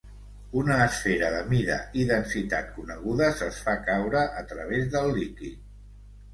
Una esfera de mida i densitat conegudes es fa caure a través del líquid.